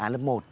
lớp một á